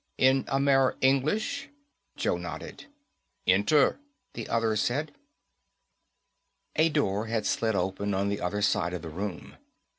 "In Amer English?" Joe nodded. "Enter," the other said. A door had slid open on the other side of the room.